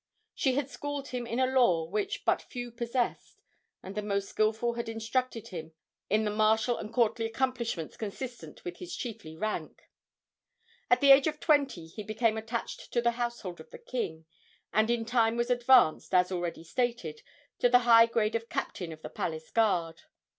She had schooled him in a lore which but few possessed, and the most skilful had instructed him in the martial and courtly accomplishments consistent with his chiefly rank. At the age of twenty he became attached to the household of the king, and in time was advanced, as already stated, to the high grade of captain of the palace guard.